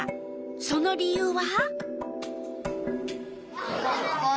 その理由は？